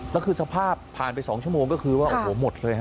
แล้วคือสภาพผ่านไป๒ชั่วโมงก็คือว่าโอ้โหหมดเลยฮ